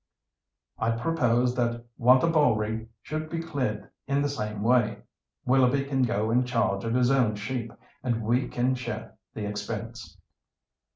I propose that Wantabalree should be cleared in the same way. Willoughby can go in charge of his own sheep, and we can share the expense."